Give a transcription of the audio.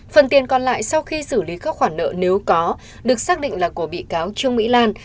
phần tiền còn lại sau khi xử lý các khoản nợ nếu có được xác định là của bị cáo trương mỹ lan